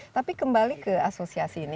tapi kembali ke asosiasi ini